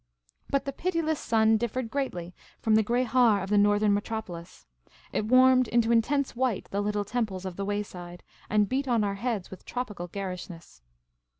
But the pitiless sun differed greatly from the grey haar of the northern metropolis. It warmed into intense white the little temples of the wayside, and beat on our heads with tropical garishness.